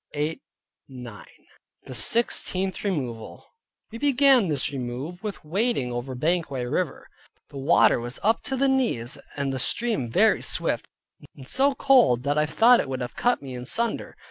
THE SIXTEENTH REMOVAL We began this remove with wading over Banquang river: the water was up to the knees, and the stream very swift, and so cold that I thought it would have cut me in sunder.